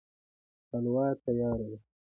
حلوا تياره ده